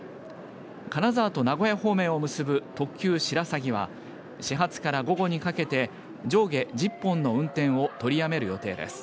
金沢と名古屋方面を結ぶ特急しらさぎは始発から午後にかけて上下１０本の運転を取りやめる予定です。